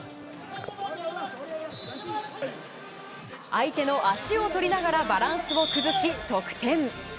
相手の足を取りながらバランスを崩し、得点。